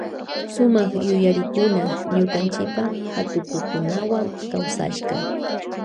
Suma yuyarikuna ñukanchipa hatukukunawa kawsashka.